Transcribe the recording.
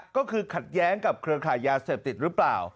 ก็คือขัดแย้งกับเครือขายยาเสพติดหรือเปล่า